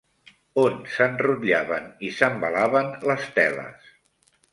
On s'enrotllaven i s'embalaven les teles?